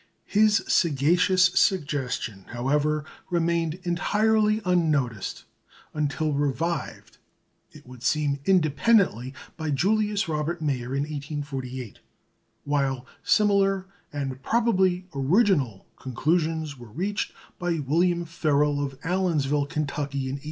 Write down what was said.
His sagacious suggestion, however, remained entirely unnoticed until revived it would seem independently by Julius Robert Mayer in 1848; while similar, and probably original, conclusions were reached by William Ferrel of Allensville, Kentucky, in 1858.